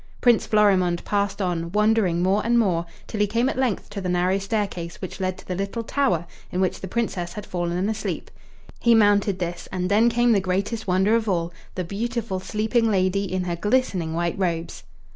Prince Florimond passed on, wondering more and more, till he came at length to the narrow staircase which led to the little tower in which the Princess had fallen asleep. He mounted this, and then came the greatest wonder of all the beautiful sleeping lady, in her glistening white robes.